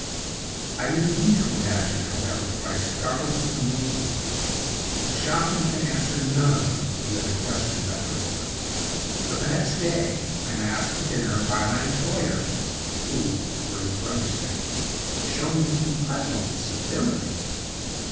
"I leave you to imagine how that reply startles and amazes me. The shopman can answer none of the other questions I put to him; but the next day I am asked to dinner by my employer (who, for his brother's sake, shows me the utmost civility).